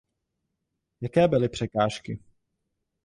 Jaké byly překážky?